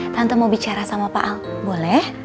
tante mau bicara sama pak al boleh